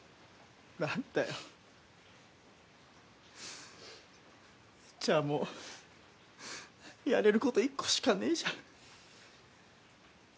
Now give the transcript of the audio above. なんだよ、じゃぁ、もうやれること１個しかねぇじゃん。